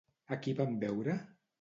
A qui van veure?